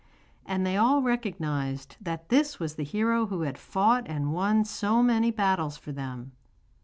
And they all recognised that this was the hero who had fought and won so many battles for them.